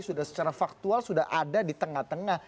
sudah secara faktual sudah ada di tengah tengah